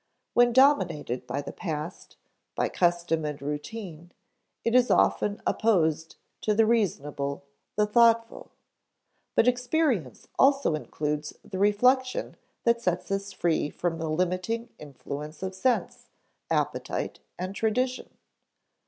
When dominated by the past, by custom and routine, it is often opposed to the reasonable, the thoughtful. But experience also includes the reflection that sets us free from the limiting influence of sense, appetite, and tradition.